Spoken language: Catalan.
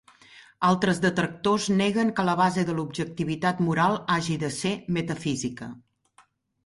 Altres detractors neguen que la base de l'objectivitat moral hagi de ser metafísica.